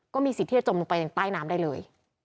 สิทธิ์ที่จะจมลงไปยังใต้น้ำได้เลย